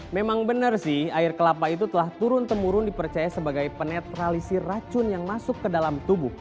memang benar sih air kelapa itu telah turun temurun dipercaya sebagai penetralisi racun yang masuk ke dalam tubuh